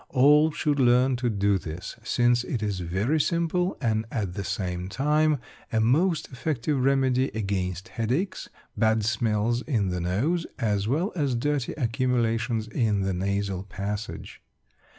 All should learn to do this, since it is very simple, and at the same time a most effective remedy against headaches, bad smells in the nose, as well as dirty accumulations in the nasal passage.